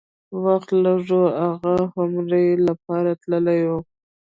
وخت لږ و، هغه عمرې لپاره تللی و.